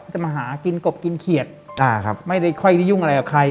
จะมาหากินกบกินเขียดอ่าครับไม่ได้ค่อยได้ยุ่งอะไรกับใคร